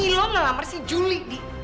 hari ini milo ngelamar si juli di